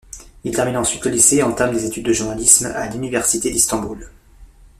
Il termine ensuite le lycée et entame des études de journalisme à l’Université d’Istanbul.